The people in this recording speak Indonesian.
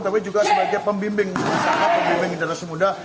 tapi juga sebagai pembimbing pengusaha pembimbing generasi muda